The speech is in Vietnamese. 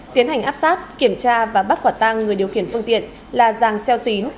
tiến hành áp sát kiểm tra và bắt quả tang người điều khiển phương tiện là giàng xeo xín